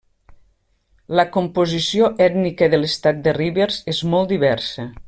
La composició ètnica de l'estat de Rivers és molt diversa.